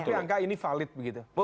tapi angka ini valid begitu